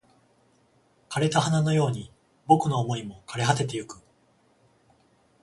枯れた花のように僕の想いも枯れ果ててゆく